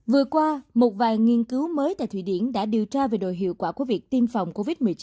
vừa qua một vài nghiên cứu mới tại thụy điển đã điều tra về đội hiệu quả của việc tiêm phòng covid một mươi chín